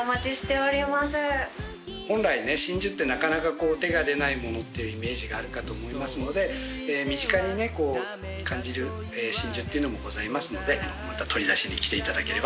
本来ね真珠ってなかなか手が出ないものっていうイメージがあるかと思いますので身近に感じる真珠っていうのもございますのでまた取り出しに来ていただければと思います。